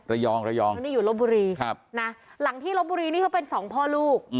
ระยองครับนี่อยู่ลบบุรีหลังที่ลบบุรีนี่เขาเป็นสองพ่อลูก